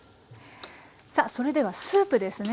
さあそれではスープですね。